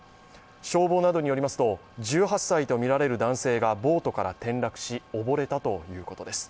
消防などによりますと、１８歳とみられる男性がボートから転落し溺れたということです。